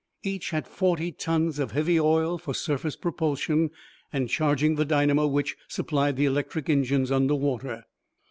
Each had forty tons of heavy oil for surface propulsion and charging the dynamo which supplied the electric engines under water.